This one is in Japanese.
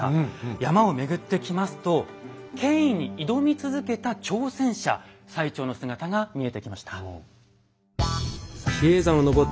山を巡ってきますと権威に挑み続けた挑戦者最澄の姿が見えてきました。